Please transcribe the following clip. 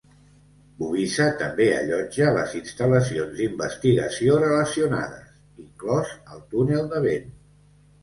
Bovisa també allotja les instal·lacions d'investigació relacionades, inclòs el túnel de vent.